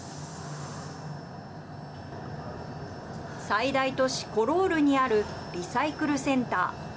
最大都市コロールにあるリサイクルセンター。